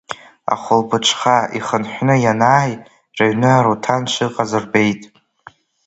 Ахәылбыҽха, ихынҳәны ианааи, рыҩны Аруҭан дшыҟаз рбеит.